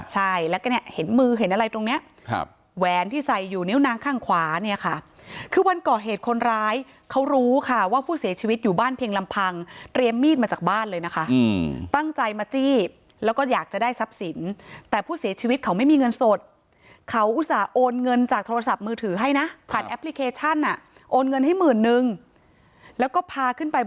ใช่แล้วก็เนี่ยเห็นมือเห็นอะไรตรงเนี้ยครับแหวนที่ใส่อยู่นิ้วนางข้างขวาเนี่ยค่ะคือวันก่อเหตุคนร้ายเขารู้ค่ะว่าผู้เสียชีวิตอยู่บ้านเพียงลำพังเตรียมมีดมาจากบ้านเลยนะคะตั้งใจมาจี้แล้วก็อยากจะได้ทรัพย์สินแต่ผู้เสียชีวิตเขาไม่มีเงินสดเขาอุตส่าห์โอนเงินจากโทรศัพท์มือถือให้นะผ่านแอปพลิเคชันอ่ะโอนเงินให้หมื่นนึงแล้วก็พาขึ้นไปบ